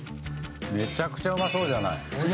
めちゃくちゃ、うまそうじゃない。